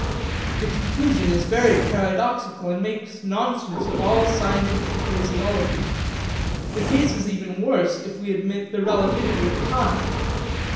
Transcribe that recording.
This conclusion is very paradoxical and makes nonsense of all scientific phraseology. The case is even worse if we admit the relativity of time.